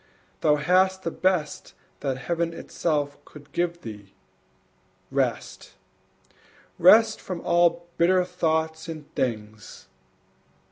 thou hast the best That Heaven itself could give thee, rest, Rest from all bitter thoughts and things!